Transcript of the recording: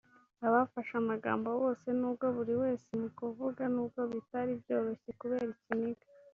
Abafashe amagambo bose n’ubwo buri wese mu kuvuga n’ubwo bitari byoroshye kubera ikiniga